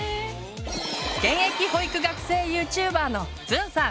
現役保育学生ＹｏｕＴｕｂｅｒのずんさん。